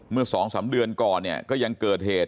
เมื่อ๒๓เดือนก่อนเนี่ยก็ยังเกิดเหตุ